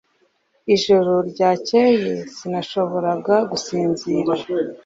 Ijoro ryakeye sinashoboraga gusinzira